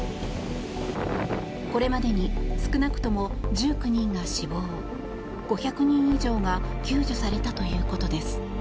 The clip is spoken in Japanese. これまでに少なくとも１９人が死亡５００人以上が救助されたということです。